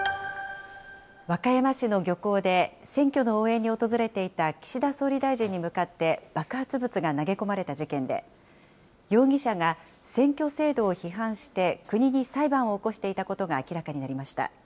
和歌山市の漁港で、選挙の応援に訪れていた岸田総理大臣に向かって爆発物が投げ込まれた事件で、容疑者が、選挙制度を批判して国に裁判を起こしていたことが明らかになりました。